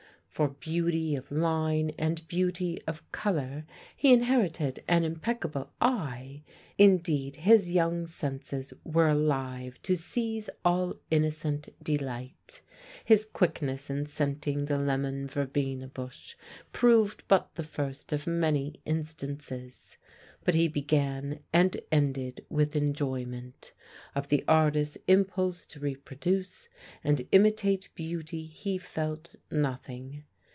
For beauty of line and beauty of colour he inherited an impeccable eye; indeed his young senses were alive to seize all innocent delight, his quickness in scenting the lemon verbena bush proved but the first of many instances. But he began and ended with enjoyment; of the artist's impulse to reproduce and imitate beauty he felt nothing.